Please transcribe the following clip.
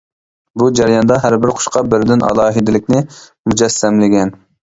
بۇ جەرياندا ھەربىر قۇشقا بىردىن ئالاھىدىلىكنى مۇجەسسەملىگەن.